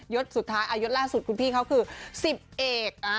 ดสุดท้ายยศล่าสุดคุณพี่เขาคือ๑๐เอก